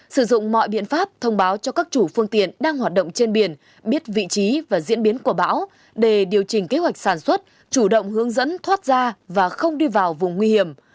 sử dụng mọi biện pháp thông báo cho các chủ phương tiện đang hoạt động trên biển biết vị trí và diễn biến của bão để điều chỉnh kế hoạch sản xuất chủ động hướng dẫn thoát ra và không đi vào vùng nguy hiểm